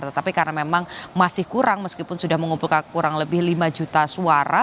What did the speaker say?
tetapi karena memang masih kurang meskipun sudah mengumpulkan kurang lebih lima juta suara